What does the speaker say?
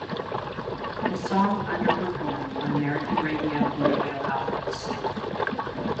The song underperformed on American radio and video outlets.